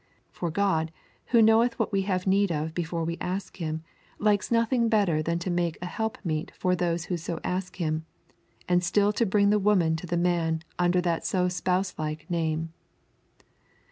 For God, who knoweth what we have need of before we ask Him, likes nothing better than to make a helpmeet for those who so ask Him, and still to bring the woman to the man under that so spouse like name.